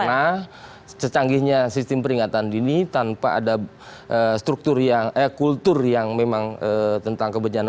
karena secanggihnya sistem peringatan dini tanpa ada struktur yang eh kultur yang memang tentang kebencanaan